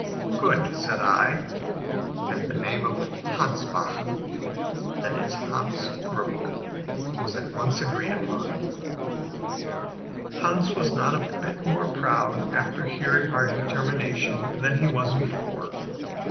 "Good," said I. And the name of "Hansbach" ("Hans Brook") was at once agreed upon. Hans was not a bit more proud after hearing our determination than he was before.